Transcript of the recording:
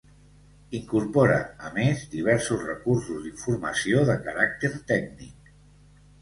Incorpora, a més, diversos recursos d'informació de caràcter tècnic.